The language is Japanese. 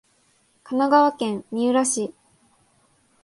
神奈川県三浦市